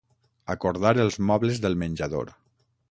Acordar els mobles del menjador.